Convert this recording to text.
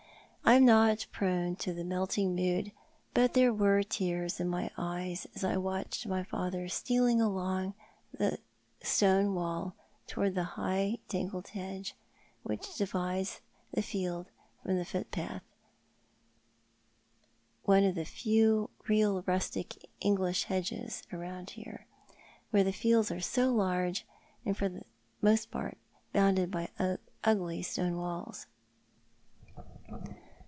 I am not prone to the melting mood, but there were tears in my eyes as I watched my father stealing along by the stone wall towards the high tangled hedge which divides the field from the footpath— one of the few real rustic English hedges about here, where the fields are so large, and for the most part bounded by ugly stone walls.